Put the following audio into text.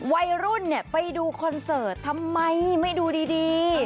วัยรุ่นไปดูคอนเสิร์ตทำไมไม่ดูดี